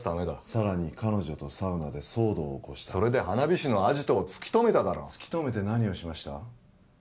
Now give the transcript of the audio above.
さらに彼女とサウナで騒動を起こしたそれで花火師のアジトを突き止めただろ突き止めて何をしました？